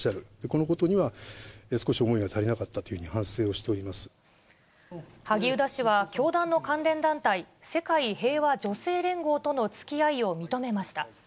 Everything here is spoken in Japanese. このことには少し思いが足りなかったというふうに反省をしており萩生田氏は、教団の関連団体、世界平和女性連合とのつきあいを認めました。